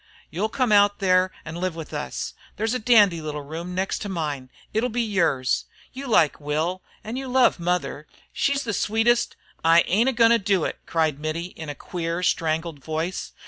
You 'll come out there to live with us. There's a dandy little room next to mine and it 'll be yours. You'll like Will, and you'll love mother. She's the sweetest " "I ain't a goin' to do it," cried Mittie, in a queer, strangled voice.